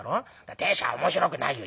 亭主は面白くないよ。